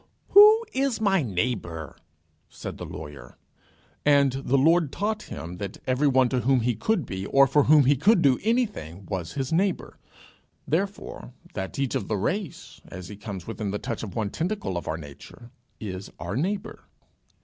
"Who is my neighbour?" said the lawyer. And the Lord taught him that every one to whom he could be or for whom he could do anything was his neighbour, therefore, that each of the race, as he comes within the touch of one tentacle of our nature, is our neighbour.